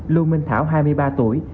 lưu minh thảo hai mươi ba tuổi